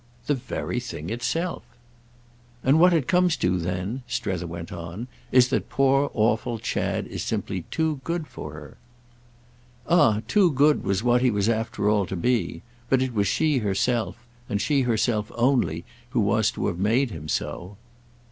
"The very thing itself." "And what it comes to then," Strether went on, "is that poor awful Chad is simply too good for her." "Ah too good was what he was after all to be; but it was she herself, and she herself only, who was to have made him so."